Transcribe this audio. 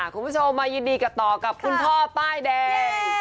คุณผู้ชมยินดีกับคุณพ่อป้ายแดง